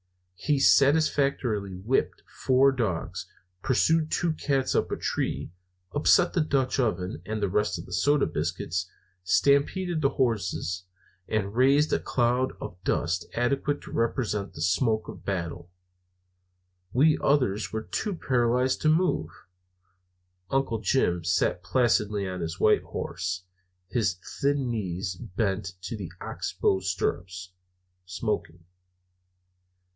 He satisfactorily whipped four dogs, pursued two cats up a tree, upset the Dutch oven and the rest of the soda biscuits, stampeded the horses, and raised a cloud of dust adequate to represent the smoke of battle. We others were too paralyzed to move. Uncle Jim sat placidly on his white horse, his thin knees bent to the ox bow stirrups, smoking.